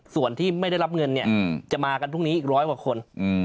ส่วนที่ไม่ได้รับเงินเนี่ยจะมากันพรุ่งนี้อีกร้อยกว่าคน